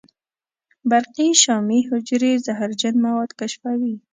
برقي شامي حجرې زهرجن مواد کشفوي.